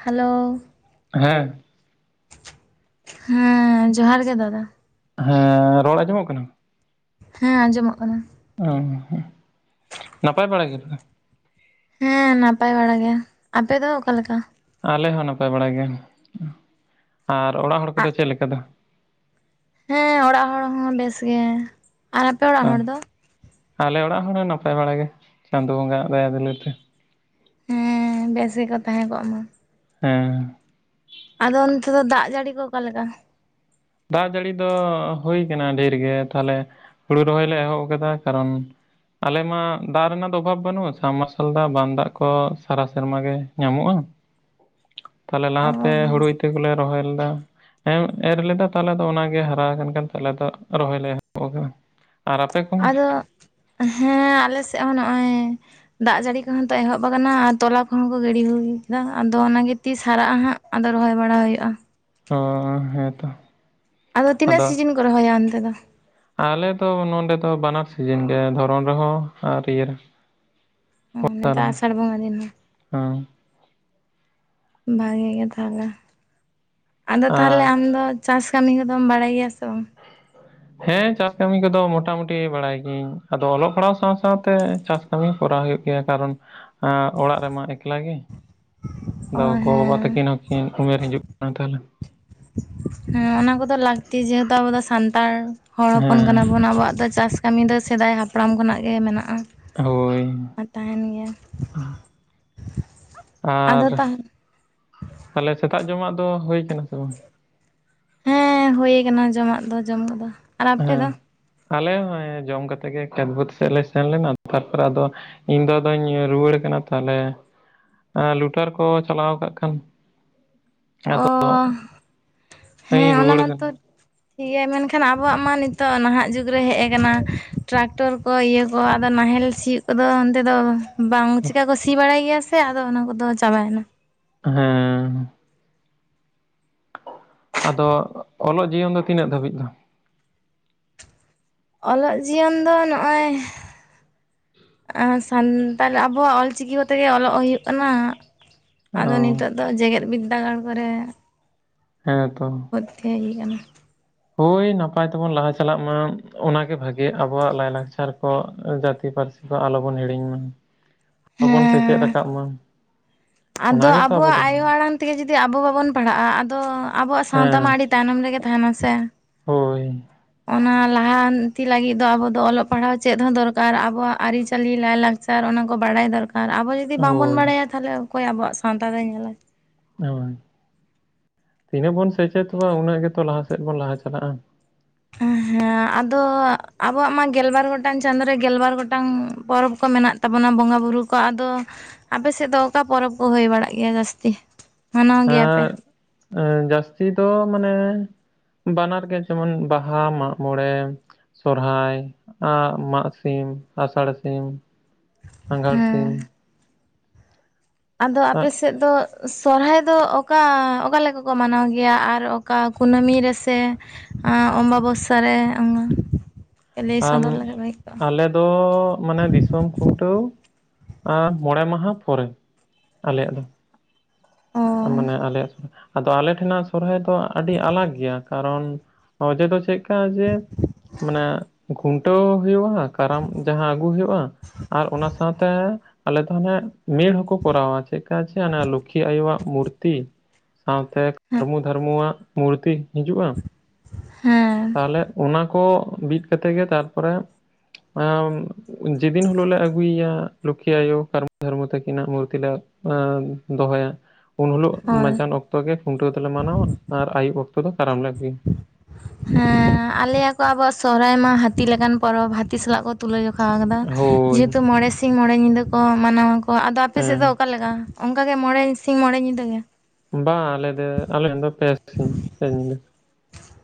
Hello ᱦᱮᱸ ᱦᱮᱸ ᱡᱚᱦᱟᱨ ᱜᱮ ᱫᱟᱫᱟ᱾ ᱦᱮᱸ ᱨᱚᱲ ᱟᱸᱡᱚ ᱢᱚᱜ ᱠᱟᱱᱟ? ᱦᱮᱸ ᱟᱸᱡᱚ ᱢᱚᱜ ᱠᱟᱱᱟ᱾ ᱚ ᱱᱟᱯᱟᱭ ᱵᱟᱲᱟᱭ ᱜᱮ ᱛᱚ? ᱦᱮᱸ ᱱᱟᱯᱟᱭ ᱵᱟᱲᱟ ᱜᱮ᱾ ᱟᱯᱮ ᱫᱚ ᱚᱠᱟ ᱞᱮᱠᱟ? ᱟᱞᱮ ᱦᱚᱸ ᱱᱟᱯᱟᱭ ᱵᱟᱲᱟᱭ ᱜᱮ᱾ ᱟᱨ ᱚᱲᱟᱜ ᱦᱚᱲ ᱠᱚᱫᱚ ᱟᱜ ᱪᱮᱫ ᱞᱮᱠᱟ ᱫᱚ? ᱦᱮᱸ ᱚᱲᱟᱜ ᱦᱚᱲ ᱦᱚᱸ ᱵᱮᱥ ᱜᱮ, ᱟᱨ ᱟᱯᱮ ᱚᱲᱟᱜ ᱦᱚᱲ ᱦᱮᱸ ᱫᱚ? ᱟᱞᱮ ᱚᱲᱟᱜ ᱦᱚᱲ ᱦᱚᱸ ᱱᱟᱯᱟᱭ ᱵᱟᱲᱟ ᱜᱮ ᱪᱟᱸᱫᱚ ᱵᱚᱸᱜᱟ ᱫᱟᱭᱟ ᱫᱩᱞᱟᱹᱲ ᱛᱮ᱾ ᱦᱮᱸ ᱵᱮᱥ ᱜᱮ ᱠᱚ ᱛᱟᱦᱮᱸ ᱠᱚᱜ ᱢᱟ᱾ ᱦᱮᱸ ᱟᱫᱚ ᱚᱱᱛᱮ ᱫᱚ ᱫᱟᱜ ᱡᱟᱹᱲᱤ ᱠᱚ ᱚᱠᱟ ᱞᱮᱠᱟ? ᱫᱟᱜ ᱡᱟᱹᱲᱤ ᱫᱚ ᱦᱩᱭ ᱠᱟᱱᱟ ᱰᱷᱮᱨ ᱜᱮ ᱛᱟᱦᱞᱮ ᱦᱩᱲᱩ ᱨᱚᱦᱚᱭ ᱞᱮ ᱮᱦᱚᱵ ᱟᱠᱟᱫᱟ, ᱠᱟᱨᱚᱱ ᱟᱞᱮ ᱢᱟ ᱫᱟᱜ ᱨᱮᱱᱟᱜ ᱫᱚ ᱚᱵᱷᱟᱵ ᱵᱟᱹᱱᱩᱜᱼᱟ ᱥᱟᱢ ᱢᱟᱨᱥᱟᱞ ᱫᱟᱜ ᱵᱟᱱ ᱫᱟᱜ ᱠᱚ ᱥᱟᱨᱟ ᱥᱮᱨᱢᱟ ᱜᱮ ᱧᱟᱢᱚᱜᱼᱟ᱾ ᱛᱟᱞᱦᱮ ᱚ ᱞᱟᱦᱟ ᱛᱮ ᱦᱩᱲᱩ ᱤᱛᱟᱹ ᱠᱚᱞᱮ ᱨᱚᱦᱚᱭ ᱞᱮᱫᱟ, ᱮᱨ ᱞᱮᱫᱟ ᱛᱟᱦᱚᱞᱮ ᱫᱚ ᱚᱱᱟᱜᱮ ᱦᱟᱨᱟ ᱟᱠᱟᱱ ᱠᱷᱟᱱ ᱛᱟᱦᱞᱮ ᱫᱚ ᱨᱚᱦᱚᱭ ᱞᱮ ᱮᱦᱚᱵ ᱟᱠᱟᱫᱟ᱾ ᱟᱨ ᱟᱯᱮ ᱠᱚ ᱟᱫᱚ ᱦᱮᱸ ᱟᱞᱮ ᱥᱮᱫ ᱦᱚᱸ ᱱᱚᱜᱼᱚᱭ ᱫᱟᱜ ᱡᱟᱹᱲᱤ ᱠᱚᱦᱚᱸ ᱛᱚ ᱮᱦᱚᱵ ᱟᱠᱟᱱᱟ ᱟᱨ ᱛᱚᱞᱟ ᱠᱚᱦᱚᱸ ᱠᱚ ᱜᱤᱰᱤ ᱦᱩᱭ ᱠᱟᱜᱼᱟ ᱟᱫᱚ ᱚᱱᱟᱜᱮ ᱛᱤᱥ ᱦᱟᱨᱟᱜᱼᱟ᱾ ᱦᱟᱸᱜ ᱟᱫᱚ ᱨᱚᱦᱚᱭ ᱵᱟᱲᱟ ᱦᱳᱭᱳᱜᱼᱟ᱾ ᱚ ᱦᱮᱸ ᱛᱚ᱾ ᱟᱫᱚ ᱛᱤᱱᱟᱹᱜ ᱥᱤᱡᱤᱱ ᱠᱚ ᱨᱚᱦᱚᱭᱟ ᱚᱱᱛᱮ ᱫᱚ? ᱟᱞᱮ ᱫᱚ ᱱᱚᱰᱮ ᱫᱚ ᱵᱟᱱᱟᱨ ᱥᱤᱡᱤᱱ ᱜᱮ ᱫᱷᱚᱨᱚᱱ ᱨᱮ ᱦᱚᱸ ᱟᱨ ᱤᱭᱟᱹ ᱚ ᱱᱤᱛᱚᱜ ᱨᱮᱦᱚᱸ ᱟᱥᱟᱲ ᱵᱚᱸᱜᱟ ᱫᱤᱱ ᱦᱚᱸ᱾ ᱦᱮᱸ᱾ ᱵᱷᱟᱜᱤ ᱜᱮ ᱛᱟᱦᱞᱮ, ᱟᱫᱚ ᱟᱨ ᱛᱟᱦᱞᱮ ᱟᱢ ᱫᱚ ᱪᱟᱥ ᱠᱟᱹᱢᱤ ᱠᱚᱫᱚᱢ ᱵᱟᱲᱟᱭ ᱜᱮᱭᱟ ᱥᱮ ᱵᱟᱝ? ᱦᱮᱸ ᱪᱟᱥ ᱠᱟᱹᱢᱤ ᱠᱚ ᱫᱚ ᱢᱚᱴᱟ ᱢᱩᱴᱤ ᱵᱟᱲᱟᱭ ᱜᱤᱭᱟᱹᱧ᱾ ᱟᱫᱚ ᱚᱞᱚᱜ ᱯᱟᱲᱦᱟᱣ ᱥᱟᱶ ᱥᱟᱶᱛᱮ ᱪᱟᱥ ᱠᱟᱹᱢᱤ ᱠᱚᱨᱟᱣ ᱦᱩᱭᱩᱜ ᱜᱮᱭᱟ, ᱠᱟᱨᱚᱱ ᱚᱲᱟᱜ ᱨᱮᱢᱟ ᱮᱠᱞᱟ ᱜᱮ᱾ ᱚ ᱟᱫᱚ ᱜᱚᱼᱵᱟᱵᱟ ᱦᱮᱸ ᱛᱟᱹᱠᱤᱱ ᱦᱚᱸᱠᱤᱱ ᱩᱢᱮᱨ ᱦᱤᱡᱩᱜ ᱠᱟᱱᱟ ᱛᱟᱦᱮᱱ ᱦᱮᱸ ᱚᱱᱟ ᱠᱚ ᱫᱚ ᱞᱟᱹᱠᱛᱤ ᱡᱮᱦᱮ ᱛᱩ ᱟᱵᱚ ᱫᱚ ᱥᱟᱱᱛᱟᱲ ᱦᱚᱲ ᱦᱚᱯᱚᱱ ᱠᱟᱱᱟ ᱦᱮᱸ ᱵᱚᱱ ᱟᱵᱚ ᱣᱟᱜ ᱫᱚ ᱪᱟᱥ ᱠᱟᱹᱢᱤ ᱫᱚ ᱥᱮᱫᱟᱭ ᱦᱟᱯᱲᱟᱢ ᱠᱷᱚ ᱱᱟᱜ ᱜᱮ ᱢᱮᱱᱟᱜᱼᱟ᱾ ᱦᱳᱭ ᱟᱨ ᱛᱟᱦᱮᱱ ᱜᱮᱭᱟ ᱟᱫᱚ ᱟᱨ ᱛᱟᱦᱚᱞᱮ ᱛᱟᱦᱞᱮ ᱥᱮᱛᱟᱜ ᱡᱚᱢᱟᱜ ᱫᱚ ᱦᱳᱭ ᱟᱠᱟᱱᱟ ᱥᱮ ᱵᱟᱝ? ᱦᱮ ᱦᱩᱭ ᱠᱟᱱᱟ ᱡᱚᱢᱟᱜ ᱫᱚ ᱡᱚᱢ ᱠᱚ ᱫᱚ᱾ ᱟᱨ ᱟᱯᱮ ᱫᱚ? ᱦᱮᱸ ᱟᱞᱮ ᱦᱚᱸ ᱡᱚᱢ ᱠᱟᱛᱮ ᱜᱮ ᱠᱷᱮᱛ ᱵᱟᱹᱫᱽ ᱥᱮᱫ ᱞᱮ ᱥᱮᱱ ᱞᱮᱱᱟ ᱛᱟᱨ ᱯᱚᱨᱮ ᱟᱫᱚ ᱤᱧ ᱫᱚ ᱟᱫᱚᱧ ᱨᱩᱣᱟᱹᱲ ᱠᱟᱱᱟ ᱛᱟᱦᱚᱞᱮ ᱟᱨ ᱞᱩᱴᱟᱨ ᱠᱚ ᱪᱟᱞᱟᱣ ᱠᱟᱜ ᱠᱷᱟᱱ ᱚ ᱟᱫᱚ ᱦᱮᱸ ᱤᱧ ᱚᱱᱟ ᱨᱩᱣᱟᱹᱲ ᱢᱟᱛᱚ ᱠᱟᱱᱟ ᱴᱷᱤᱠ ᱜᱮᱭᱟ ᱢᱮᱱ ᱠᱷᱟᱱ ᱟᱵᱚᱣᱟᱜ ᱢᱟ ᱱᱤᱛᱚᱜ ᱱᱟᱦᱟᱜ ᱡᱩᱜᱽ ᱨᱮ ᱦᱮᱜ ᱟᱠᱟᱱᱟ᱾ ᱴᱨᱟᱠᱴᱚᱨ, ᱠᱚ ᱤᱭᱟᱹ ᱠᱚ ᱟᱫᱚ ᱱᱟᱦᱮᱞ ᱥᱤᱭᱳᱜ ᱠᱚ ᱫᱚ ᱚᱱᱛᱮ ᱫᱚ ᱵᱟᱝ ᱪᱮᱠᱟ ᱠᱚ ᱥᱤ ᱵᱟᱲᱟᱭ ᱜᱮᱭᱟ ᱥᱮ ᱟᱫᱚ ᱚᱱᱟ ᱠᱚ ᱫᱚ ᱪᱟᱵᱟ ᱭᱮᱱᱟ ᱾ ᱦᱮᱸ ᱟᱫᱚ ᱚᱞᱚᱜ ᱡᱤᱭᱚᱱ ᱫᱚ ᱛᱤᱱᱟᱹᱜ ᱫᱷᱟᱹᱵᱤᱡ ᱫᱚ? ᱚᱞᱚᱜ ᱡᱤᱭᱚᱱ ᱫᱚ ᱱᱚᱜᱼᱚᱭ ᱥᱟᱱᱛᱟᱲ ᱟᱵᱚᱣᱟᱜ ᱚᱞᱪᱤᱠᱤ ᱠᱚ ᱛᱮ ᱜᱮ ᱚᱞᱚᱜ ᱦᱩᱭᱩᱜ ᱠᱟᱱᱟ᱾ ᱚ ᱟᱫᱚ ᱱᱤᱛᱚᱜ ᱫᱚ ᱡᱮᱜᱮᱫ ᱵᱤᱫᱫᱟᱹᱜᱟᱲ ᱠᱚᱨᱮ ᱦᱮᱸ ᱛᱚ [unintelligible] ᱜᱮ ᱦᱩᱭᱩᱜ ᱟᱠᱟᱱᱟ᱾ ᱦᱳᱭ ᱱᱟᱯᱟᱭ ᱛᱮ ᱵᱚᱱ ᱞᱟᱦᱟ ᱪᱟᱞᱟᱜ ᱢᱟ ᱚᱱᱟ ᱜᱮ ᱵᱷᱟᱜᱮ ᱟᱵᱚᱣᱟᱜ ᱞᱟᱭᱼᱞᱟᱠᱪᱟᱨ ᱠᱚ ᱡᱟᱹᱛᱤ ᱯᱟᱹᱨᱥᱤ ᱟᱞᱚ ᱵᱚᱱ ᱦᱤᱲᱤᱧ ᱢᱟ ᱵᱟᱵᱚᱱ ᱥᱮᱪᱮᱫ ᱦᱮᱸ ᱠᱟᱫ ᱢᱟ ᱟᱫᱚ ᱚᱱᱟ ᱜᱮᱛᱚ ᱟᱵᱚ ᱟᱵᱚᱣᱟᱜ ᱫᱚ ᱟᱭᱳ ᱟᱲᱟᱝ ᱢᱟᱲᱟᱝ ᱛᱮ ᱜᱮ ᱡᱩᱫᱤ ᱟᱵᱚ ᱵᱟᱵᱚᱱ ᱯᱟᱲᱦᱟᱜᱼᱟ᱾ ᱟᱫᱚ ᱟᱵᱚ ᱣᱟᱜ ᱥᱟᱶᱛᱟ ᱢᱟ ᱦᱮᱸ ᱟᱹᱰᱤ ᱛᱟᱭᱱᱚᱢ ᱨᱮ ᱜᱮ ᱛᱟᱦᱮᱱᱟ ᱥᱮ ᱦᱳᱭ ᱚᱱᱟ ᱞᱟᱦᱟᱱ ᱛᱤ ᱞᱟᱹᱜᱤᱫ ᱫᱚ ᱟᱵᱚ ᱫᱚ ᱚᱞᱚᱜ ᱯᱟᱲᱦᱟᱣ ᱪᱮᱫ ᱦᱚᱸ ᱫᱚᱨ ᱠᱟᱨ ᱟᱵᱚᱣᱟᱜ ᱟᱹᱨᱤ ᱪᱟᱹᱞᱤ ᱞᱟᱭ ᱞᱟᱠᱪᱟᱨ ᱥᱟᱨ ᱚᱱᱟ ᱠᱚ ᱵᱟᱲᱟᱭ ᱫᱚᱨᱠᱟᱨ ᱟᱵᱚ ᱡᱩᱫᱤ ᱵᱟᱝ ᱵᱚᱱ ᱦᱳᱭ ᱵᱟᱲᱟᱭᱟ ᱛᱟᱦᱞᱮ ᱚᱠᱚᱭ ᱟᱵᱚᱣᱟᱜ ᱥᱟᱶᱛᱟ ᱫᱚᱭ ᱧᱮᱞᱟ᱾ ᱦᱳᱭ ᱛᱤᱱᱟᱹᱜ ᱵᱚᱱ ᱥᱮᱪᱮᱫᱚᱜᱼᱟ᱾ ᱩᱱᱟᱹᱜ ᱜᱮᱛᱚ ᱞᱟᱦᱟ ᱥᱮᱫ ᱵᱚᱱ ᱞᱟᱦᱟ ᱪᱟᱞᱟᱜᱼᱟ᱾ ᱦᱮᱸ ᱟᱫᱚ ᱟᱵᱚᱣᱟᱜ ᱢᱟ ᱜᱮᱞ ᱵᱟᱨ ᱜᱚᱴᱟᱝ ᱪᱟᱸᱫᱳ ᱨᱮ ᱜᱮᱞᱵᱟᱨ ᱜᱚᱴᱟᱝ ᱯᱚᱨᱚᱵᱽ ᱠᱚ ᱢᱮᱱᱟᱜ ᱛᱟᱵᱚᱱᱟ ᱵᱚᱸᱜᱟ ᱵᱩᱨᱩ ᱠᱚ ᱟᱫᱚ ᱟᱯᱮ ᱥᱮᱫ ᱫᱚ ᱚᱠᱟ ᱯᱚᱨᱚᱵᱽ ᱠᱚ ᱦᱩᱭ ᱵᱟᱲᱟᱜ ᱜᱮᱭᱟ ᱡᱟᱹᱥᱛᱤ? ᱢᱟᱱᱟᱣ ᱜᱮᱭᱟᱯᱮ ᱮᱸᱻ ᱡᱟᱹᱥᱛᱤ ᱫᱚ ᱢᱟᱱᱮ ᱵᱟᱱᱟᱨ ᱜᱮ ᱡᱮᱢᱚᱱ ᱵᱟᱦᱟ, ᱢᱟᱜ ᱢᱚᱬᱮ ᱥᱚᱦᱚᱨᱟᱭ, ᱢᱟᱜ ᱥᱤᱢ, ᱟᱥᱟᱲ ᱥᱤᱢ, ᱟᱸᱜᱷᱟᱬ ᱥᱤᱢ, ᱦᱮᱸ ᱟᱫᱚ ᱟᱸᱜ ᱟᱯᱮᱥᱮᱫ ᱫᱚ ᱥᱚᱦᱚᱨᱟᱭ ᱫᱚ ᱚᱠᱟ ᱚᱠᱟ ᱞᱮᱠᱟ ᱠᱚ ᱢᱟᱱᱟᱣ ᱜᱮᱭᱟ᱾ ᱟᱨ ᱚᱠᱟ ᱠᱩᱱᱟᱹᱢᱤ ᱨᱮ ᱥᱮ ᱮᱸᱻ ᱚᱢᱵᱟᱵᱚᱥᱟ ᱨᱮ ᱚᱱᱟ ᱮᱱ ᱟᱞᱮ ᱫᱚ ᱢᱟᱱᱮ ᱫᱤᱥᱚᱢ ᱠᱷᱩᱱ ᱴᱟᱹᱣ ᱢᱚᱬᱮ ᱢᱟᱦᱟ ᱯᱚᱨᱮ ᱟᱞᱮᱭᱟᱼᱜ ᱫᱚ᱾ ᱢᱟᱱᱮ ᱟᱞᱮᱭᱟᱜ ᱟᱫᱚ ᱟᱞᱮ ᱴᱷᱮ ᱱᱟᱜ ᱥᱚᱦᱚᱨᱟᱭ ᱫᱚ ᱟᱹᱰᱤ ᱟᱞᱟᱜ ᱜᱮᱭᱟ᱾ ᱠᱟᱨᱚᱱ ᱚᱡᱮ ᱫᱚ ᱪᱮᱫ ᱪᱮᱫ ᱠᱟ ᱡᱮ ᱢᱟᱱᱮ ᱠᱷᱩᱱ ᱴᱟᱹᱣ ᱦᱚᱸ ᱦᱩᱭᱩᱜᱼᱟ᱾ ᱦᱟᱸᱜ ᱠᱟᱨᱟᱢ ᱡᱟᱦᱟᱸ ᱟᱹᱜᱩ ᱦᱩᱭᱩᱜᱼᱟ ᱟᱨ ᱚᱱᱟ ᱥᱟᱶ ᱛᱮ ᱦᱚᱸ ᱟᱞᱮ ᱫᱚ ᱦᱟᱱᱮ ᱢᱤᱲ ᱦᱚᱸᱠᱚ ᱠᱚᱨᱟᱣᱟ ᱪᱮᱫ ᱠᱟ ᱪᱮ ᱦᱮ ᱞᱚᱠᱠᱷᱤ ᱟᱭᱳ ᱣᱟᱜ ᱢᱩᱨᱛᱤ ᱥᱟᱶᱛᱮ ᱚ ᱠᱟᱹᱨᱢᱩᱼᱫᱷᱟᱹᱢᱩ ᱣᱟᱜ ᱢᱩᱨᱛᱤ ᱦᱤᱡᱩᱜᱼᱟ᱾ ᱦᱮᱸ ᱛᱟᱦᱞᱮ ᱚᱱᱟ ᱠᱚ ᱵᱤᱫ ᱠᱟᱛᱮ ᱜᱮ ᱛᱟᱨ ᱯᱚᱨᱮ ᱮᱸᱻ ᱡᱮᱫᱤᱱ ᱦᱤᱞᱳᱜ ᱞᱮ ᱟᱹᱜᱩᱭ ᱮᱭᱟ ᱞᱚᱠᱠᱷᱤ ᱟᱭᱳ ᱠᱟᱨᱢᱚ ᱼᱫᱷᱚᱨᱢᱚ ᱛᱟᱹᱠᱤᱱ ᱟᱜ ᱢᱩᱨᱛᱤ ᱞᱮ ᱮᱱ ᱫᱚ ᱦᱚ ᱭᱟ᱾ ᱩᱱ ᱦᱤᱞᱳᱜ ᱦᱳᱭ ᱢᱟᱡᱟᱱ ᱚᱠᱛᱚ ᱜᱮ ᱠᱷᱩᱱ ᱴᱟᱹᱣ ᱫᱚᱞᱮ ᱢᱟᱱᱟᱣᱟ ᱟᱨ ᱟᱹᱩᱵ ᱚᱠᱛᱚ ᱫᱚ ᱠᱟᱨᱟᱢ ᱞᱮ ᱟᱹᱜᱩᱭᱟ᱾ ᱦᱮᱸ ᱞᱟᱹᱭ ᱟᱠᱚ ᱟᱵᱩᱣᱟᱜ ᱥᱚᱦᱚᱨᱟᱭ ᱢᱟ ᱦᱟᱹᱛᱤ ᱞᱮᱠᱟᱱ ᱯᱚᱨᱚᱵᱽ ᱦᱟᱹᱛᱤ ᱥᱟᱞᱟᱜ ᱠᱚ ᱛᱩᱞᱟᱹ ᱡᱚ ᱠᱷᱟ [unintelligible] ᱠᱟᱫᱟ ᱦᱳᱭ ᱡᱮᱦᱮ ᱛᱩ ᱢᱚᱬᱮ ᱥᱤᱧ ᱢᱚᱬᱮ ᱧᱤᱫᱟᱹ ᱠᱚ ᱢᱟᱱᱟᱣᱟ ᱠᱚ ᱟᱫᱚ ᱟᱯᱮ ᱥᱮᱫ ᱦᱮᱸ ᱫᱚ ᱚᱠᱟ ᱞᱮᱠᱟ ᱚᱱᱠᱟ ᱜᱮ ᱢᱚᱬᱮ ᱥᱤᱧ ᱢᱚᱬᱮ ᱧᱤᱫᱟᱹ ᱜᱮ᱾ ᱵᱟ ᱟᱞᱮ ᱫᱚ ᱟᱞᱮᱭᱟᱜ ᱫᱚ ᱯᱮ ᱥᱤᱧ, ᱯᱮ ᱧᱤᱫᱟᱹ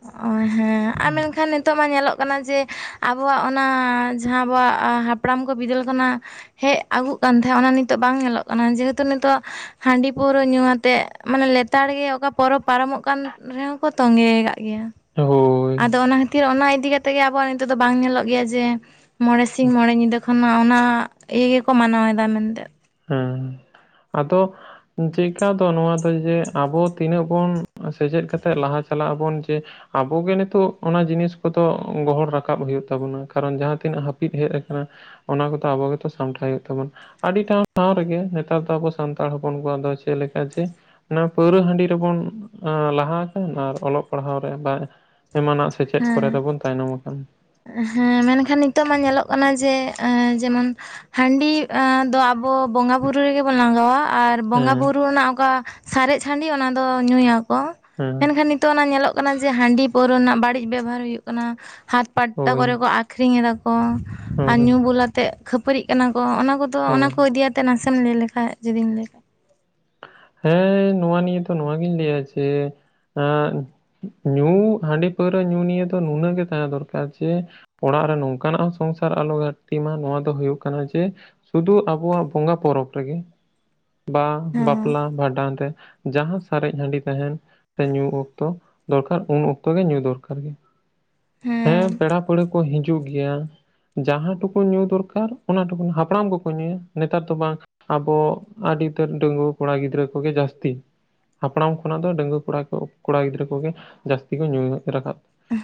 [unintelligible] ᱦᱮᱸ ᱟᱨ ᱢᱮᱱᱠᱷᱟᱱ ᱱᱤᱛᱚᱜ ᱢᱟ ᱧᱮᱞᱚᱜ ᱠᱟᱱᱟ ᱡᱮ ᱟᱵᱚᱣᱟᱜ ᱚᱱᱟ ᱡᱟᱦᱟᱸ ᱟᱵᱚᱣᱟᱜ ᱦᱟᱯᱲᱟᱢ ᱠᱚ ᱵᱤᱫᱟᱹᱞ ᱠᱷᱚᱱᱟ ᱦᱮᱡ ᱟᱹᱜᱩᱜ ᱠᱟᱱ ᱛᱟᱦᱮᱸᱜ ᱚᱱᱟ ᱱᱤᱛᱚᱜ ᱵᱟᱝ ᱧᱮᱞᱚᱜ ᱠᱟᱱᱟ ᱡᱮᱦᱮᱛᱩ ᱱᱤᱛᱚᱜ ᱦᱟᱸᱰᱤ-ᱯᱟᱹᱣᱨᱟᱹ ᱧᱩ ᱟᱛᱮᱜ ᱢᱟᱱᱮ ᱞᱮᱛᱟᱲ ᱜᱮ ᱚᱠᱟ ᱯᱚᱨᱚᱵᱽ ᱯᱟᱨᱚᱢᱚᱜ ᱠᱟᱱ ᱨᱮᱦᱚᱸ ᱠᱚ ᱛᱚᱸᱜᱮ ᱠᱟᱫ ᱜᱮᱭᱟ ᱦᱳᱭ ᱟᱫᱚ ᱚᱱᱟ ᱠᱷᱟᱹᱛᱤᱨ ᱚᱱᱟ ᱤᱫᱤ ᱠᱟᱛᱮᱜ ᱜᱮ ᱟᱵᱚᱣᱟᱜ ᱱᱤᱛᱚᱜ ᱫᱚ ᱵᱟᱝ ᱧᱮᱞᱚᱜ ᱜᱮᱭᱟ ᱡᱮ ᱢᱚᱬᱮ ᱥᱤᱧ ᱢᱚᱬᱮ ᱧᱤᱫᱟᱹ ᱮᱠᱷᱚᱱ ᱢᱟ ᱚᱱᱟ ᱤᱭᱟᱹ ᱜᱮᱠᱚ ᱢᱟᱱᱟᱣ ᱮᱫᱟ ᱢᱮᱱᱛᱮᱫ ᱦᱮᱸ, ᱟᱫᱚ ᱪᱮᱠᱟ ᱫᱚ ᱱᱚᱣᱟ ᱫᱚ ᱡᱮ ᱟᱵᱚ ᱛᱤᱱᱟᱹᱜ ᱵᱚᱱ ᱥᱮᱪᱮᱫ ᱠᱟᱛᱮᱫ ᱞᱟᱦᱟ ᱪᱟᱞᱟᱜ ᱟᱵᱚᱱ ᱡᱮ ᱟᱵᱚᱜᱮ ᱱᱤᱛᱚᱜ ᱚᱱᱟ ᱡᱤᱱᱤᱥ ᱠᱚᱫᱚ ᱜᱚᱦᱚᱲ ᱨᱟᱠᱟᱵ ᱦᱩᱭᱩᱜ ᱛᱟᱵᱚᱱᱟ, ᱠᱟᱨᱚᱱ ᱡᱟᱦᱟᱸ ᱛᱤᱱᱟᱹᱜ ᱦᱟᱹᱯᱤᱫ ᱦᱮᱡ ᱟᱠᱟᱱᱟ ᱚᱱᱟ ᱠᱚᱫᱚ ᱟᱵᱚ ᱜᱮᱛᱚ ᱥᱟᱢᱴᱟᱣ ᱦᱩᱭᱩᱜ ᱛᱟᱵᱚᱱ, ᱟᱹᱰᱤ ᱴᱷᱟᱶ ᱨᱮᱜᱮ ᱱᱮᱛᱟᱨ ᱫᱚ ᱟᱵᱚ ᱥᱟᱱᱛᱟᱲ ᱦᱚᱯᱚᱱ ᱠᱚᱣᱟᱜ ᱫᱚ ᱪᱮᱫ ᱞᱮᱠᱟ ᱡᱮ ᱱᱟ ᱯᱟᱹᱣᱨᱟᱹ ᱦᱟᱺᱰᱤ ᱨᱮᱵᱚᱱ ᱞᱟᱦᱟ ᱟᱠᱟᱱ ᱟᱨ ᱚᱞᱚᱜ ᱯᱟᱲᱦᱟᱣ ᱨᱮ [unintelligible] ᱮᱢᱟᱱᱟᱜ ᱥᱮᱪᱮᱫ ᱠᱚᱨᱮ ᱦᱮᱸ ᱫᱚᱵᱚᱱ ᱛᱟᱭᱱᱚᱢ ᱟᱠᱟᱱᱟ ᱦᱮᱸ ᱢᱮᱱᱠᱷᱟᱱ ᱱᱤᱛᱚᱜ ᱢᱟ ᱧᱮᱞᱚᱜ ᱠᱟᱱᱟ ᱡᱮ ᱮᱸ ᱡᱮᱢᱚᱱ ᱦᱟᱺᱰᱤ ᱮᱸ ᱫᱚ ᱟᱵᱚ ᱵᱚᱸᱜᱟ ᱵᱩᱨᱩ ᱨᱮᱜᱮ ᱵᱚᱱ ᱞᱟᱝᱜᱟᱣᱟ ᱟᱨ ᱵᱚᱸᱜᱟ ᱦᱮᱸ ᱵᱩᱨᱩ ᱨᱮᱱᱟᱜ ᱚᱠᱟ ᱥᱟᱨᱮᱡ ᱦᱟᱺᱰᱤ ᱚᱱᱟ ᱫᱚ ᱧᱩᱭᱟᱠᱚ ᱦᱮᱸ ᱢᱮᱱᱠᱷᱟᱱ ᱱᱤ ᱤᱛᱚᱜ ᱚᱱᱟ ᱧᱮᱞᱚᱜ ᱠᱟᱱᱟ ᱡᱮ ᱦᱟᱺᱰᱤ ᱯᱟᱹᱣᱨᱟᱹ ᱨᱮᱱᱟᱜ ᱵᱟᱹᱲᱤᱡ ᱵᱮᱵᱷᱟᱨ ᱦᱩᱭᱩᱜ ᱠᱟᱱᱟ, ᱦᱟᱴ ᱯᱟᱛᱟ ᱦᱳᱭ ᱠᱚᱨᱮ ᱠᱚ ᱟᱠᱷ ᱟᱠᱷᱨᱤᱧ ᱮᱫᱟ ᱠᱚ ᱟᱨ ᱦᱳᱭ ᱧᱩ ᱵᱩᱞ ᱟᱛᱮ ᱠᱷᱟᱹᱯᱟᱹᱨᱤᱜ ᱠᱟᱱᱟ ᱠᱚ ᱚᱱᱟ ᱠᱚᱫᱚ ᱚᱱᱟ ᱦᱳᱭ ᱠᱚ ᱤᱫᱤᱭᱟᱛᱮ ᱱᱟᱥᱮᱢ ᱞᱟᱹᱭ ᱞᱮᱠᱷᱟᱡ ᱡᱩᱫᱤᱢ ᱞᱟᱹᱭ ᱞᱮᱠᱷᱟᱡ? ᱦᱮᱸ ᱱᱚᱣᱟ ᱱᱤᱭᱟᱹ ᱫᱚ ᱱᱚᱣᱟ ᱜᱤᱧ ᱞᱟᱹᱭᱟ ᱡᱮ ᱮᱸ ᱧᱩ ᱦᱟᱺᱰᱤ ᱯᱟᱹᱣᱨᱟᱹ ᱧᱩ ᱱᱤᱭᱮ ᱫᱚ ᱱᱩᱱᱟᱹᱜ ᱜᱮ ᱛᱟᱦᱮᱸ ᱫᱚᱨᱠᱟᱨ ᱡᱮ ᱚᱲᱟᱜ ᱨᱮ ᱱᱚᱝᱠᱟᱱᱟᱜ ᱦᱚᱸ ᱥᱚᱝᱥᱟᱨ ᱟᱞᱚ ᱜᱷᱟᱴᱛᱤᱜ ᱢᱟ ᱱᱚᱣᱟ ᱫᱚ ᱦᱩᱭᱩᱜ ᱠᱟᱱᱟ ᱡᱮ ᱥᱩᱫᱩ ᱟᱵᱚᱣᱟᱜ ᱵᱚᱸᱜᱟ ᱯᱚᱨᱚᱵᱽ ᱨᱮᱜᱮ ᱵᱟ ᱦᱮᱸ ᱵᱟᱯᱞᱟ ᱵᱷᱟᱸᱰᱟᱱ ᱨᱮ ᱡᱟᱦᱟᱸ ᱥᱟᱨᱮᱡ ᱦᱟᱺᱰᱤ ᱛᱟᱦᱮᱱ ᱥᱮ ᱧᱩ ᱚᱠᱛᱚ ᱫᱚᱨᱠᱟᱨ ᱩᱱ ᱚᱠᱛᱚ ᱜᱮ ᱧᱩ ᱫᱚᱨᱠᱟᱨ ᱜᱮ ᱦᱮᱸ ᱯᱮᱲᱟ ᱯᱟᱹᱲᱦᱟᱹ ᱠᱚ ᱦᱤᱡᱩᱜ ᱜᱮᱭᱟ ᱡᱟᱦᱟᱸ ᱴᱩᱠᱩ ᱧᱩᱸ ᱫᱚᱨᱠᱟᱨ ᱚᱱᱟ ᱴᱩᱠᱩᱱ ᱦᱟᱯᱲᱟᱢ ᱠᱚᱠᱚ ᱧᱩᱸᱭᱟ ᱱᱮᱛᱟᱨ ᱫᱚ ᱵᱟᱝ ᱟᱵᱚ ᱟᱹᱰᱤ ᱩᱛᱟᱹᱨ ᱰᱟᱺᱜᱩᱣᱟᱹ ᱠᱚᱲᱟ ᱜᱤᱫᱽᱨᱟᱹ ᱠᱚᱜᱮ ᱡᱟᱹᱥᱛᱤ ᱦᱟᱯᱲᱟᱢ ᱠᱷᱚᱱᱟᱜ ᱫᱚ ᱰᱟᱺᱜᱩᱣᱟᱹ ᱠᱚᱲᱟ ᱠᱚ, ᱠᱚᱲᱟ ᱜᱤᱫᱽᱨᱟᱹ ᱠᱚᱜᱮ ᱡᱟᱹᱥᱛᱤ ᱠᱚ ᱧᱩᱭ ᱨᱟᱠᱟᱵ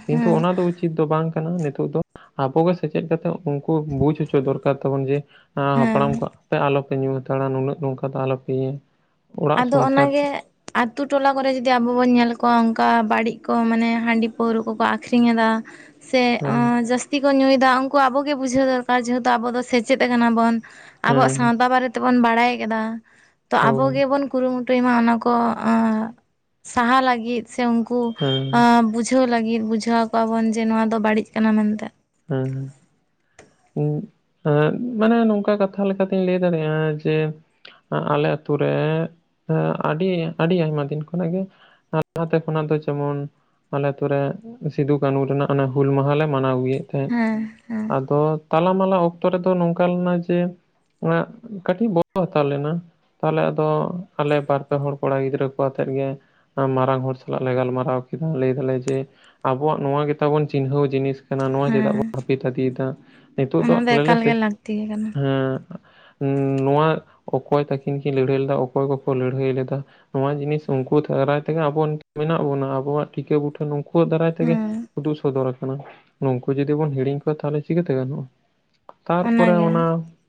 ᱠᱤᱱᱛᱩ ᱦᱮᱸ ᱚᱱᱟ ᱫᱚ ᱩᱪᱤᱛ ᱫᱚ ᱵᱟᱝ ᱠᱟᱱᱟ ᱱᱤᱛᱚᱜ ᱫᱚ ᱟᱵᱚᱜᱮ ᱥᱮᱪᱮᱫ ᱠᱟᱛᱮ ᱩᱱᱠᱩ ᱵᱩᱡ ᱦᱚᱪᱚ ᱫᱚᱨᱠᱟᱨ ᱛᱟᱵᱚᱱ ᱡᱮ ᱟᱸ ᱦᱮᱸ ᱦᱟᱯᱲᱟᱢ ᱠᱚ ᱟᱯᱮ ᱟᱞᱚᱯᱮ ᱧᱩ ᱦᱟᱛᱟᱲᱟ ᱱᱩᱱᱟᱹᱜ ᱱᱚᱝᱠᱟ ᱫᱚ ᱟᱞᱚᱯᱮ ᱤᱭᱟᱹ ᱟᱫᱚ ᱚᱱᱟᱜ ᱜᱮ ᱟᱹᱛᱩ ᱴᱚᱞᱟ ᱠᱚᱨᱮ ᱡᱩᱫᱤ ᱟᱵᱚ ᱵᱚᱱ ᱧᱮᱞ ᱠᱚᱣᱟ ᱚᱱᱠᱟ ᱵᱟᱹᱲᱤᱡ ᱠᱚ ᱢᱟᱱᱮ ᱦᱟᱺᱰᱤ ᱯᱟᱹᱣᱨᱟᱹ ᱠᱚᱠᱚ ᱟᱠᱷᱨᱤᱧ ᱮᱫᱟ ᱥᱮ ᱚ ᱦᱳᱭ ᱡᱟᱥ ᱛᱤ ᱠᱚ ᱧᱩᱭᱮᱫᱟ ᱩᱱᱠᱩ ᱟᱵᱚᱜᱮ ᱵᱩᱡᱷᱟᱹᱣ ᱫᱚᱨᱠᱟᱨ ᱡᱮᱦᱮᱛᱩ ᱟᱵᱚ ᱫᱚ ᱥᱮᱪᱮᱫ ᱠᱟᱱᱟ ᱵᱚᱱ ᱟᱵᱚᱣᱟᱜ ᱦᱮᱸ ᱥᱟᱶᱛᱟ ᱵᱟᱨᱮ ᱛᱮᱵᱚᱱ ᱵᱟᱲᱟᱭ ᱠᱟᱫᱟ ᱛᱚ ᱟᱵᱚ ᱦᱳᱭ ᱜᱮᱵᱚᱱ ᱠᱩᱨᱩᱢᱩᱴᱩᱭ ᱢᱟ ᱚᱱᱟ ᱠᱚ ᱟ ᱥᱟᱦᱟ ᱞᱟᱹᱜᱤᱫ ᱥᱮ ᱩᱱᱠᱩ ᱦᱮᱸ ᱵᱩᱡᱷ ᱵᱩᱡᱷᱟᱹᱣ ᱞᱟᱹᱜᱤᱫ, ᱵᱩᱡᱷᱟᱹᱣ ᱟᱠᱚᱣᱟ ᱵᱚᱱ ᱡᱮ ᱱᱚᱣᱟ ᱫᱚ ᱵᱟᱲᱤᱡ ᱠᱟᱱᱟ ᱢᱮᱱᱛᱮ ᱦᱮᱸ ᱦᱮᱸ [unintelligible] ᱮᱸ ᱢᱟᱱᱮ ᱱᱚᱝᱠᱟ ᱠᱟᱛᱷᱟ ᱞᱮᱠᱟᱛᱤᱧ ᱞᱟᱹᱭ ᱫᱟᱲᱮᱭᱟᱜᱼᱟ, ᱡᱮ ᱟᱞᱮ ᱟᱛᱩ ᱨᱮ ᱟᱹᱰᱤ ᱟᱹᱰᱤ ᱟᱭᱢᱟ ᱫᱤᱱ ᱠᱷᱚᱱᱟᱜ ᱜᱮ [unintelligible] ᱱᱟᱛᱮ ᱠᱷᱚᱱᱟᱜ ᱫᱚ ᱡᱮᱢᱚᱱ ᱟᱞᱮ ᱟᱹᱛᱩ ᱨᱮ ᱥᱤᱫᱩ ᱠᱟᱹᱱᱩ ᱨᱮᱱᱟᱜ ᱚᱱᱟ ᱦᱩᱞ ᱢᱟᱦᱟ ᱞᱮ ᱢᱟᱱᱟᱣ ᱜᱮᱭᱟ᱾ ᱦᱮᱸ ᱦᱮᱸ ᱟᱫᱚ ᱛᱟᱞᱟ ᱢᱟᱞᱟ ᱚᱠᱛᱚ ᱨᱮᱫᱚ ᱱᱚᱝᱠᱟ ᱞᱮᱱᱟ ᱡᱮ, ᱚᱱᱟ ᱠᱟᱹᱴᱤᱡ [unintelligible] ᱦᱟᱛᱟᱲ ᱞᱮᱱᱟ ᱛᱟᱦᱚᱞᱮ ᱟᱫᱚ ᱟᱞᱮ ᱵᱟᱨ ᱯᱮ ᱦᱚᱲ ᱠᱚᱲᱟ ᱜᱤᱫᱽᱨᱟᱹ ᱠᱚ ᱟᱛᱮᱫ ᱜᱮᱼᱼ ᱢᱟᱨᱟᱝ ᱦᱚᱲ ᱥᱟᱞᱟᱜ ᱞᱮ ᱜᱟᱞᱢᱟᱨᱟᱣ ᱠᱮᱫᱟ ᱞᱟᱹᱭ ᱫᱟᱞᱮ ᱡᱮ ᱟᱵᱚᱣᱟᱜ ᱱᱚᱣᱟ ᱜᱮ ᱛᱟᱵᱚᱱ ᱪᱤᱱᱦᱟᱹᱣ ᱡᱤᱱᱤᱥᱼᱼ ᱱᱚᱣᱟ ᱪᱮᱫᱟᱜ ᱦᱮᱸ ᱵᱚᱱ ᱦᱟᱹᱯᱤᱫ ᱤᱫᱤᱭ ᱮᱫᱟ ᱱᱤᱛᱚᱜ ᱫᱚ ᱚᱱᱟ ᱟᱞᱮ ᱞᱮ ᱮᱠᱟᱞ ᱥᱮ ᱜᱮ ᱞᱟᱹᱠᱛᱤ ᱜᱮ ᱠᱟᱱᱟ [unintelligible] ᱱᱚᱣᱟ ᱚᱠᱚᱭ ᱛᱟᱹᱠᱤᱱ ᱠᱤᱱ ᱞᱟᱹᱲᱦᱟᱹᱭ ᱞᱮᱫᱟ ᱚᱠᱚᱭ ᱠᱚ ᱠᱚ ᱞᱟᱹᱲᱦᱟᱹᱭ ᱞᱮᱫᱟ ᱱᱚᱣᱟ ᱡᱤᱱᱤᱥ ᱩᱱᱠᱩ ᱫᱟᱨᱟᱭ ᱛᱮ ᱜᱮ ᱟᱵᱚ ᱢᱮᱱᱟᱜ ᱵᱚᱱᱟ ᱟᱵᱚᱣᱟᱜ ᱴᱤᱠᱟᱹ ᱵᱩᱴᱟᱹ ᱱᱩᱠᱩᱣᱟᱜ ᱫᱟᱨᱟᱭ ᱛᱮ ᱜᱮᱼᱼ ᱦᱮᱸ ᱩᱫᱩᱜ ᱥᱚᱫᱚᱨ ᱠᱟᱱᱟ ᱱᱚᱠᱩᱼᱼ [unintelligible] ᱡᱩᱫᱤ ᱵᱚᱱ ᱦᱤᱲᱤᱧ ᱠᱚᱣᱟ ᱛᱟᱦᱚᱞᱮ ᱪᱤᱠᱟᱹᱛᱮ ᱜᱟᱱᱚᱜᱼᱟ ᱛᱟᱨᱯᱚᱨᱮ ᱚᱱᱟᱜᱮ ᱚᱱᱟᱼᱼ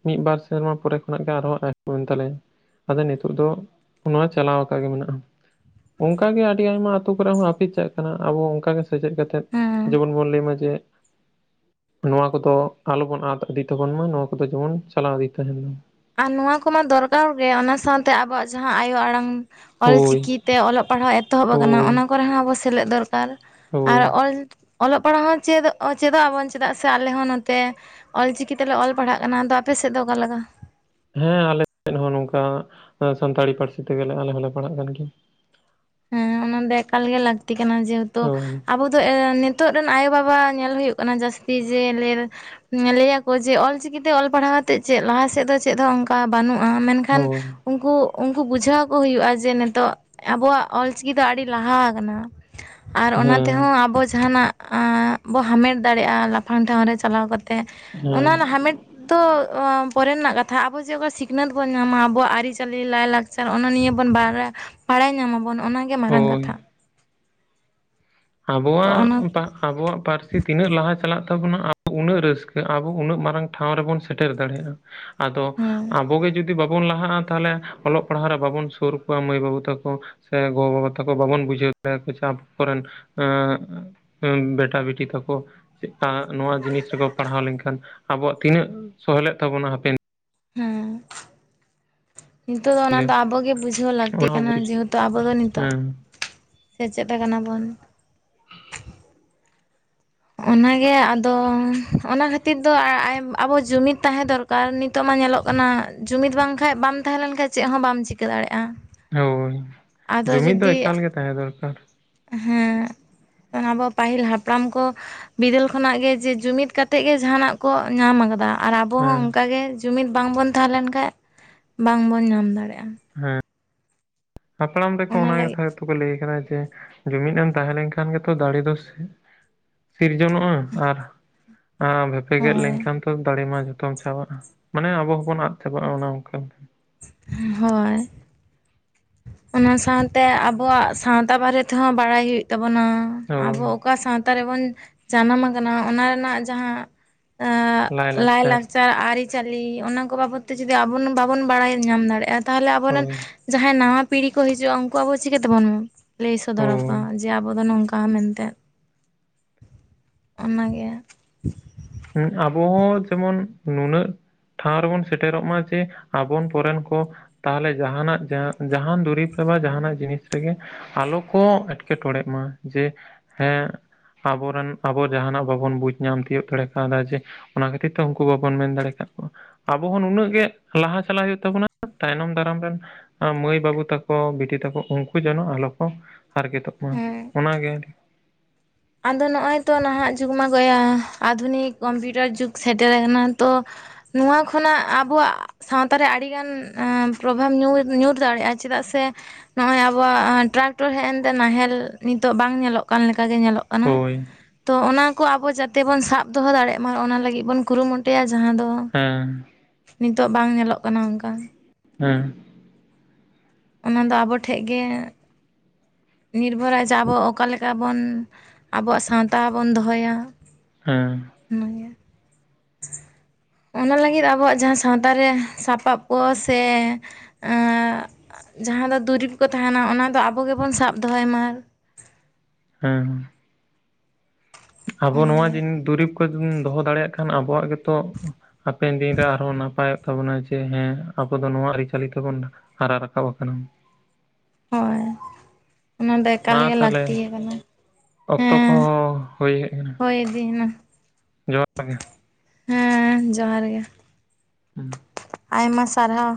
ᱢᱤᱫ ᱵᱟᱨ ᱥᱮᱨᱢᱟ ᱯᱚᱨᱮ ᱠᱷᱚᱱᱟᱜ ᱜᱮ ᱟᱨ ᱦᱚᱸ [unintelligible] ᱮᱱ ᱛᱟᱞᱮᱭᱟ ᱟᱫᱚ ᱱᱤᱛᱚᱜ ᱫᱚ ᱱᱚᱣᱟ ᱪᱟᱞᱟᱣ ᱟᱠᱟᱜᱮ ᱢᱮᱱᱟᱜᱼᱟ ᱚᱱᱠᱟ ᱜᱮ ᱟᱹᱰᱤ ᱟᱭᱢᱟ ᱟᱹᱛᱩ ᱠᱚ ᱨᱮ ᱦᱚᱸ ᱦᱟᱹᱯᱤᱫ ᱪᱟᱞᱟᱜ ᱠᱟᱱᱟ ᱟᱵᱚ ᱚᱱᱠᱟ ᱜᱮ ᱥᱮᱪᱮᱫ ᱠᱟᱛᱮᱫ ᱦᱮᱸ ᱡᱮᱢᱚᱱ ᱵᱚᱱ ᱞᱟᱹᱭ ᱢᱟ ᱡᱮ, ᱱᱚᱣᱟ ᱠᱚ ᱫᱚ ᱟᱞᱚ ᱵᱚᱱ ᱟᱫ ᱤᱫᱤ ᱛᱟᱵᱚᱱ ᱢᱟ, ᱱᱚᱣᱟ ᱠᱚᱫᱚ ᱡᱮᱢᱚᱱ ᱪᱟᱞᱟᱣ ᱤᱫᱤ ᱛᱟᱦᱮᱸᱱ ᱢᱟ ᱾ ᱟᱨ ᱱᱚᱣᱟ ᱠᱚᱢᱟ ᱫᱚᱨᱠᱟᱨ ᱜᱮ ᱚᱱᱟ ᱥᱟᱶ ᱛᱮ ᱟᱵᱚᱣᱟᱜ ᱡᱟᱦᱟᱸ ᱟᱭᱳ ᱟᱲᱟᱝ ᱦᱳᱭ ᱚᱞᱪᱤᱠᱤ ᱛᱮ ᱚᱞᱚᱜ ᱯᱟᱲᱦᱟᱣ ᱮᱛᱚᱦᱚᱵ ᱟᱠᱟᱱᱟ ᱚᱱᱟ ᱦᱳᱭ ᱠᱚ ᱨᱮ ᱦᱚᱸ ᱟᱵᱚ ᱥᱮᱞᱮᱫ ᱫᱚᱨᱠᱟᱨ ᱾ ᱟᱨ ᱦᱳᱭ ᱚᱞ ᱚᱞᱚᱜ ᱯᱟᱲᱦᱟᱜ ᱦᱚᱸ ᱪᱮᱫ ᱪᱮᱫᱚᱜ ᱟᱵᱚᱱ ᱪᱮᱫᱟᱜ ᱥᱮ ᱟᱞᱮ ᱦᱚᱸ ᱱᱚᱛᱮᱼᱼ ᱚᱞᱪᱤᱠᱤ ᱛᱮᱞᱮ ᱚᱞ ᱯᱟᱲᱦᱟᱜ ᱠᱟᱱᱟ, ᱟᱫᱚ ᱟᱯᱮ ᱥᱮᱫ ᱫᱚ ᱚᱠᱟ ᱞᱮᱠᱟ? ᱦᱮᱸ ᱟᱞᱮ ᱥᱮᱫ ᱦᱚᱸ ᱱᱚᱝᱠᱟ ᱥᱟᱱᱛᱟᱲᱤ ᱯᱟᱹᱨᱥᱤ ᱛᱮ ᱜᱮ ᱞᱮ ᱟᱞᱮ ᱦᱚᱸᱞᱮ ᱯᱟᱲᱦᱟᱜ ᱠᱟᱱ ᱜᱮᱭᱟ ᱾ ᱦᱮᱸ ᱚᱱᱟ ᱫᱚ ᱮᱠᱟᱞ ᱜᱮ ᱞᱟᱹᱠᱛᱤ ᱠᱟᱱᱟ ᱡᱮᱦᱮᱛᱩ ᱦᱳᱭ ᱟᱵᱚ [unintelligible] ᱱᱤᱛᱚᱜ ᱨᱮᱱ ᱟᱭᱳᱼᱵᱟᱵᱟ ᱧᱮᱞ ᱦᱩᱭᱩᱜ ᱠᱟᱱᱟ ᱡᱟᱹᱥᱛᱤ ᱡᱮ [unintelligible] ᱞᱟᱹᱭᱟ ᱠᱚ ᱡᱮ ᱚᱞᱪᱤᱠᱤ ᱛᱮ ᱚᱞ ᱯᱟᱲᱦᱟᱣ ᱠᱟᱛᱮᱜ ᱪᱮᱫ ᱞᱟᱦᱟ ᱥᱮᱫ ᱫᱚ ᱪᱮᱫ ᱦᱚᱸ ᱚᱱᱠᱟ ᱵᱟᱹᱱᱩᱜ ᱢᱮᱱ ᱠᱷᱟᱱ ᱦᱳᱭ ᱩᱱᱠᱩ ᱩᱱᱠᱩ ᱵᱩᱡᱷᱟᱹᱣ ᱠᱚ ᱦᱩᱭᱩᱜᱼᱟ ᱡᱮ ᱱᱤᱛᱚᱜ ᱟᱵᱚᱣᱟᱜ ᱚᱞᱪᱤᱠᱤ ᱫᱚ ᱟᱹᱰᱤ ᱞᱟᱦᱟ ᱟᱠᱟᱱᱟ ᱟᱨ ᱚᱱᱟ ᱛᱮ ᱦᱚᱸ ᱦᱮᱸ ᱟᱵᱚ ᱡᱟᱦᱟᱸᱱᱟᱜᱼᱼ ᱵᱚ ᱦᱟᱢᱮᱴ ᱫᱟᱲᱮᱭᱟᱜᱼᱟ ᱞᱟᱯᱷᱟᱝ ᱴᱷᱟᱶ ᱨᱮ ᱪᱟᱞᱟᱣ ᱠᱟᱛᱮᱫ ᱦᱮᱸ ᱚᱱᱟ ᱦᱟᱢᱮᱴ ᱫᱚ ᱯᱚᱨᱮ ᱨᱮᱱᱟᱜ ᱠᱟᱛᱷᱟ, ᱟᱵᱚ ᱪᱮᱫᱠᱟ ᱥᱤᱠᱷᱱᱟᱹᱛ ᱵᱚᱱ ᱧᱟᱢᱟ ᱟᱵᱚᱣᱟᱜ ᱟᱹᱨᱤᱪᱟᱹᱞᱤ ᱞᱟᱹᱭᱞᱟᱠᱪᱟᱨ ᱾ [unintelligible] ᱱᱤᱭᱟᱹ ᱵᱚᱱ ᱵᱟᱲ ᱵᱟᱲᱟᱭ ᱧᱟᱢᱟᱵᱚᱱ ᱚᱱᱟ ᱜᱮ ᱢᱟᱨᱟᱝ ᱦᱳᱭ ᱠᱟᱛᱷᱟ ᱾ ᱛᱚ ᱚᱱᱟ ᱟᱵᱚᱣᱟᱜ ᱯᱟ ᱟᱵᱚᱣᱟᱜ ᱯᱟᱹᱨᱥᱤ ᱛᱤᱱᱟᱹᱜ ᱞᱟᱦᱟ ᱪᱟᱞᱟᱜ ᱛᱟᱵᱚᱱᱟ ᱟᱵᱚ ᱩᱱᱟᱹᱜ ᱨᱟᱹᱥᱠᱟᱹ ᱟᱵᱚ ᱩᱱᱟᱹᱜ ᱢᱟᱨᱟᱝ ᱴᱷᱟᱶ ᱨᱮᱵᱚᱱ ᱥᱮᱴᱮᱨ ᱫᱟᱲᱮᱭᱟᱜᱼᱟ ᱾ ᱟᱫᱚ ᱦᱮᱸ ᱟᱵᱚ ᱜᱮ ᱡᱩᱫᱤ ᱡᱩᱫᱤ ᱵᱟᱵᱚᱱ ᱞᱟᱦᱟᱜᱼᱟ ᱛᱟᱦᱚᱞᱮ ᱚᱞᱚᱜ ᱯᱟᱲᱦᱟᱣ ᱨᱮ ᱵᱟᱵᱚᱱ ᱥᱩᱨ ᱠᱚᱣᱟ ᱢᱟᱹᱭ ᱵᱟᱹᱵᱩ ᱛᱟᱠᱚ ᱾ ᱥᱮ ᱜᱚᱼᱵᱟᱵᱟ ᱛᱟᱠᱚ ᱵᱟᱵᱚᱱ ᱵᱩᱡᱷᱟᱹᱣ [inaudible] ᱟᱵᱚ ᱠᱚ ᱨᱮᱱ ᱦᱮᱸ ᱵᱮᱴᱟ ᱵᱮᱴᱤ ᱛᱟᱠᱚ ᱾ [unintelligible] ᱱᱚᱣᱟ ᱡᱤᱱᱤᱥ ᱨᱮ ᱠᱚ ᱯᱟᱲᱦᱟᱣ ᱞᱮᱱ ᱠᱷᱟᱱ ᱟᱵᱚᱣᱟᱜ ᱛᱤᱱᱟᱹᱜ ᱥᱚᱦᱞᱮᱜ ᱛᱟᱵᱚᱱᱟ ᱦᱟᱯᱮᱱ ᱦᱮᱸ ᱾ ᱱᱤᱛᱚᱜ ᱫᱚ ᱚᱱᱟ ᱫᱤᱱᱨᱮ ᱫᱚ ᱟᱵᱚᱜ ᱜᱮ ᱵᱩᱡᱷᱟᱹᱣ ᱞᱟᱹᱠᱛᱤ ᱚᱱᱟ ᱦᱚᱸ ᱠᱟᱱᱟ ᱵᱩᱡ ᱡᱮᱦᱮᱛᱩ ᱟᱵᱚ ᱫᱚ ᱱᱤᱛᱚᱜ ᱦᱮᱸ ᱥᱮᱪᱮᱫ ᱟᱠᱟᱱᱟ ᱵᱚᱱ ᱾ ᱚᱱᱟ ᱜᱮ ᱟᱫᱚ ᱚᱱᱟ ᱠᱷᱟᱹᱛᱤᱨ ᱫᱚ ᱟᱵᱚ ᱡᱩᱢᱤᱫ ᱛᱟᱦᱮᱸ ᱫᱚᱨᱠᱟᱨ ᱾ ᱟᱨ ᱱᱤᱛᱚᱜ ᱢᱟ ᱧᱮᱞᱚᱜ ᱠᱟᱱᱟ ᱡᱩᱢᱤᱫ ᱵᱟᱝᱠᱷᱟᱡ ᱵᱟᱢ ᱛᱟᱦᱮᱸ ᱞᱮᱱ ᱠᱷᱟᱱ ᱪᱮᱫ ᱦᱚᱸ ᱵᱟᱢ ᱪᱤᱠᱟᱹ ᱫᱟᱲᱮᱭᱟᱜᱼᱟ ᱾ ᱦᱳᱭ, ᱡᱩᱢᱤᱫ ᱫᱚ ᱮᱠᱟᱞ ᱜᱮ ᱛᱟᱦᱮᱸ ᱫᱚᱨᱠᱟᱨ ᱾ ᱦᱮᱸ ᱟᱵᱚ ᱯᱟᱹᱦᱤᱞ ᱦᱟᱯᱲᱟᱢ ᱠᱚ ᱵᱤᱫᱟᱹᱞ ᱠᱷᱚᱱᱟᱜ ᱜᱮ ᱡᱮ ᱡᱩᱢᱤᱫ ᱠᱟᱛᱮᱫ ᱜᱮ ᱡᱟᱦᱟᱱᱟᱜ ᱠᱚ ᱧᱟᱢ ᱟᱠᱟᱫᱟ ᱾ ᱟᱨ ᱟᱵᱚ ᱦᱚᱸ ᱦᱮᱸ ᱚᱱᱠᱟ ᱜᱮ ᱡᱩᱢᱤᱫ ᱵᱟᱝ ᱵᱚᱱ ᱛᱟᱦᱮᱸ ᱞᱮᱱ ᱠᱷᱟᱱ ᱵᱟᱝ ᱵᱚᱱ ᱧᱟᱢ ᱫᱟᱲᱮᱭᱟᱜᱼᱟ ᱾ ᱦᱮᱸ ᱾ ᱦᱟᱯᱲᱟᱢ ᱨᱮᱠᱚ ᱚᱱᱟ ᱠᱟᱛᱷᱟ ᱜᱮ ᱛᱚ ᱠᱚ ᱞᱟᱹᱭ ᱟᱠᱟᱫᱟ ᱡᱮ ᱡᱩᱢᱤᱫ ᱮᱢ ᱛᱟᱦᱮᱸ ᱞᱮᱱᱠᱷᱟᱱ ᱜᱮᱛᱚ ᱫᱟᱲᱮ ᱫᱚ ᱥᱤᱨᱡᱚᱱᱚᱜᱼᱟ ᱟᱨ᱾ ᱟᱨ ᱵᱷᱮᱯᱮ ᱜᱮᱫ ᱦᱳᱭ ᱞᱮᱱᱠᱷᱟᱱ ᱛᱚ ᱫᱟᱲᱮ ᱢᱟ ᱡᱚᱛᱚᱢ ᱪᱟᱵᱟᱜᱼᱟ, ᱢᱟᱱᱮ ᱟᱵᱚ ᱦᱚᱸᱵᱚᱱ ᱟᱫ ᱪᱟᱵᱟᱜᱼᱟ ᱚᱱᱟ ᱚᱱᱠᱟ ᱾ ᱦᱳᱭ ᱾ ᱚᱱᱟ ᱥᱟᱶᱛᱮ ᱟᱵᱚᱣᱟᱜ ᱥᱟᱶᱛᱟ ᱵᱟᱨᱮ ᱛᱮᱸᱦᱚ ᱵᱟᱲᱟᱭ ᱦᱩᱭᱩᱜ ᱛᱟᱵᱚᱱᱟ, ᱟᱵᱚ ᱦᱳᱭ ᱚᱠᱟ ᱥᱟᱶᱛᱟ ᱨᱮᱵᱚᱱ ᱡᱟᱱᱟᱢ ᱟᱠᱟᱱᱟ ᱚᱱᱟ ᱨᱮᱱᱟᱜ ᱡᱟᱸᱦᱟ᱾ ᱟᱸ ᱞᱟᱹᱭ ᱞᱟᱭᱼᱞᱟᱠᱪᱟᱨ [inaudible] ᱟᱹᱨᱤᱪᱟᱹᱞᱤ ᱚᱱᱟ ᱠᱚ ᱵᱟᱵᱚᱫ ᱛᱮ ᱡᱩᱫᱤ ᱟᱵᱚ ᱵᱟᱵᱚᱱ ᱵᱟᱲᱟᱭ ᱧᱟᱢ ᱫᱟᱲᱮᱭᱟᱜᱼᱟ ᱛᱟᱦᱚᱞᱮ ᱟᱵᱚᱨᱮᱱ ᱦᱳᱭ ᱡᱟᱦᱟᱸᱭ ᱱᱟᱣᱟ ᱯᱤᱲᱦᱤ ᱠᱚ ᱦᱤᱡᱩᱜᱼᱟ ᱩᱱᱠᱩ ᱟᱵᱚ ᱪᱤᱠᱟᱹᱛᱮᱵᱩᱱ ᱞᱟᱹᱭ ᱥᱚᱫᱚᱨ ᱦᱳᱭ ᱟᱠᱚᱣᱟ ᱡᱮ ᱟᱵᱚ ᱫᱚ ᱱᱚᱝᱠᱟ? ᱵᱟ ᱢᱮᱱᱛᱮ ᱚᱱᱟᱜᱮ ᱦᱩ ᱟᱵᱚ ᱦᱚᱸ ᱡᱮᱢᱚᱱ ᱱᱩᱱᱟᱹᱜ ᱴᱷᱟᱶ ᱨᱮᱵᱚᱱ ᱥᱮᱴᱮᱨᱚᱜ ᱢᱟ ᱡᱮ ᱟᱵᱚᱱ ᱯᱚᱨᱮᱱ ᱠᱚ᱾ ᱛᱟᱦᱚᱞᱮ ᱡᱟᱦᱱᱟᱜ ᱡᱟᱦᱟᱱ ᱫᱩᱨᱤᱵᱽ ᱨᱮ ᱵᱟ ᱡᱟᱦᱟᱱᱟᱜ ᱡᱤᱱᱤᱥ ᱨᱮᱜᱮ᱾ ᱟᱞᱚ ᱠᱚ ᱮᱴᱠᱮᱴᱚᱲᱮᱜ ᱢᱟ ᱡᱮ ᱦᱮᱸ᱾ ᱟᱵᱚᱨᱮᱱ ᱟᱵᱚ ᱡᱟᱦᱟᱱᱟᱜ ᱵᱟᱵᱚᱱ ᱵᱩᱡᱽ ᱧᱟᱢ ᱛᱤᱭᱚᱜ ᱫᱟᱲᱮᱜ᱾ ᱠᱟᱫᱟ ᱡᱮ ᱚᱱᱟ ᱠᱷᱟᱹᱛᱤᱨ ᱛᱮ ᱩᱱᱠᱩ ᱵᱟᱵᱚᱱ ᱢᱮᱱ ᱫᱟᱲᱮ ᱠᱟᱜ ᱠᱚᱣᱟ ᱾ ᱟᱵᱚ ᱦᱚᱸ ᱱᱩᱱᱟᱹᱜ ᱜᱮ ᱞᱟᱦᱟ ᱪᱟᱞᱟᱜ ᱦᱩᱭᱩᱜ ᱛᱟᱵᱚᱱᱟ ᱛᱟᱭᱱᱚᱢ ᱫᱟᱨᱟᱢ ᱨᱮᱱ᱾ ᱢᱟᱹᱭ ᱵᱟᱹᱵᱩ ᱛᱟᱠᱚ ᱵᱤᱴᱤ ᱛᱟᱠᱚ ᱩᱱᱠᱩ ᱡᱮᱱᱚ ᱟᱞᱚ ᱠᱚ ᱦᱟᱨᱠᱮᱛᱚᱜ ᱢᱟ ᱦᱮᱸ ᱚᱱᱟ ᱜᱮ᱾ ᱟᱫᱚ ᱱᱚᱜᱼᱚᱭ ᱛᱚ ᱱᱟᱦᱟᱜ ᱡᱩᱜᱽ ᱢᱟ ᱜᱚᱭᱟ ᱟᱫᱷᱩᱱᱤᱠ ᱠᱚᱢᱯᱤᱭᱩᱴᱟᱨ ᱡᱩᱜᱽ ᱥᱮᱴᱮᱨ ᱟᱠᱟᱱᱟ ᱛᱚ᱾ ᱱᱚᱣᱟ ᱠᱷᱚᱱᱟᱜ ᱟᱵᱚᱣᱟᱜ᱾ ᱥᱟᱶᱛᱟ ᱨᱮ ᱟᱹᱰᱤᱜᱟᱱ ᱯᱨᱚᱵᱷᱟᱵᱽ ᱧᱩᱨ ᱧᱩᱨ ᱫᱟᱲᱮᱭᱟᱜᱼᱟ ᱪᱮᱫᱟᱜ ᱥᱮ᱾ ᱱᱚᱜ ᱚᱭ ᱟᱵᱚᱣᱟᱜ ᱴᱨᱟᱠᱴᱚᱨ ᱦᱮᱡ ᱮᱱᱛᱮ ᱱᱟᱦᱮᱞ ᱱᱤᱛᱚᱜ ᱵᱟᱝ ᱧᱮᱞᱚᱜ ᱠᱟᱱ ᱞᱮᱠᱟ ᱜᱮ ᱧᱮᱞᱚᱜ᱾ ᱠᱟᱱᱟ ᱦᱳᱭ ᱛᱚ ᱚᱱᱟ ᱠᱚ ᱟᱵᱚ ᱡᱟᱛᱮ ᱵᱚᱱ ᱥᱟᱵ ᱫᱚᱦᱚ ᱫᱟᱲᱮᱜ ᱢᱟ, ᱚᱱᱟ ᱞᱟᱹᱜᱤᱫ ᱵᱚᱱ ᱠᱩᱨᱩᱢᱩᱴᱩᱭᱟ ᱡᱟᱸᱦᱟ ᱫᱚ᱾ ᱦᱮᱸ ᱱᱤᱛᱚᱜ ᱵᱟᱝ ᱧᱮᱞᱚᱜ ᱠᱟᱱᱟ ᱚᱱᱠᱟ᱾ ᱦᱮᱸ ᱚᱱᱟ ᱫᱚ ᱟᱵᱚ ᱴᱷᱮᱡ ᱜᱮ᱾ ᱱᱤᱨᱵᱷᱚᱨᱟ ᱡᱮ ᱟᱵᱚ ᱚᱠᱟ ᱞᱮᱠᱟ ᱵᱚᱱ ᱟᱵᱚᱣᱟᱜ ᱥᱟᱶᱛᱟ ᱵᱚᱱ ᱫᱚᱦᱚᱭᱟ᱾ ᱦᱮᱸ ᱚᱱᱟ ᱜᱮ᱾ [unintelligible] ᱚᱱᱟ ᱞᱟᱹᱜᱤᱫ ᱟᱵᱚᱣᱟᱜ ᱡᱟᱸᱦᱟ ᱥᱟᱶᱛᱟ ᱨᱮ ᱥᱟᱯᱟᱯ ᱠᱚ ᱥᱮ ᱮᱸ᱾ ᱡᱟᱸᱦᱟ ᱫᱚ ᱫᱩᱨᱤᱵᱽ ᱠᱚ ᱛᱟᱦᱮᱱᱟ ᱚᱱᱟ ᱫᱚ ᱟᱵᱚ ᱜᱮᱵᱚᱱ ᱥᱟᱵ ᱫᱚᱦᱚᱭ ᱢᱟ᱾ ᱦᱮᱸ ᱟᱵᱚ ᱱᱚᱣᱟ ᱚᱱᱟᱜᱮ ᱡᱤᱱ ᱫᱩᱨᱤᱵᱽ ᱠᱚ ᱡᱟᱫᱤᱵᱚᱱ ᱫᱚᱦᱚ ᱫᱟᱲᱮᱭᱟᱜ ᱠᱷᱟᱱ ᱟᱵᱚᱣᱟᱜ ᱜᱮ᱾ ᱛᱚ ᱦᱟᱯᱮᱱ ᱫᱤᱱ ᱨᱮ ᱟᱨᱦᱚᱸ ᱱᱟᱯᱟᱭ᱾ ᱛᱟᱵᱱᱟ ᱡᱮ ᱦᱮᱸ ᱟᱵᱚ ᱫᱚ ᱱᱚᱣᱟ ᱟᱹᱨᱤᱪᱟᱹᱞᱤ ᱛᱮᱵᱚᱱ ᱦᱟᱨᱟ ᱨᱟᱠᱟᱵ ᱟᱠᱟᱱᱟ᱾ ᱦᱳᱭ ᱚᱱᱟ ᱫᱚ ᱢᱟ ᱮᱠᱟᱞᱜᱮ ᱛᱟᱦᱚᱞᱮ ᱞᱟᱹᱠᱛᱤ ᱠᱟᱱᱟ᱾ ᱚᱠᱛᱚ ᱦᱮᱸ ᱠᱚᱦᱚᱸ ᱦᱩᱭ ᱦᱮᱡ ᱠᱟᱱᱟ ᱦᱳᱭ ᱤᱫᱤᱭᱮᱱᱟ ᱡᱚᱦᱟᱨ ᱜᱮ᱾ ᱦᱮᱸ ᱡᱚᱦᱟᱨ ᱜᱮ᱾ [unintelligible] ᱟᱭᱢᱟ ᱥᱟᱨᱦᱟᱣ᱾